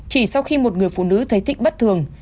chỉ sau khi một người phụ nữ thấy thích bất thường